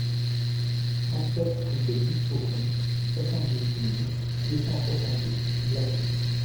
trente-sept rue des Mifaucons, soixante-dix-huit mille deux cent soixante-dix Blaru